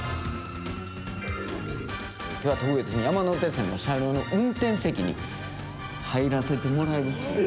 今日は特別に山手線の車両の運転席に入らせてもらえるという。